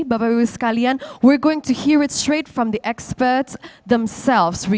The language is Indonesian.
bapak ibu sekalian kita akan mendengarkan dari para ekspert sendiri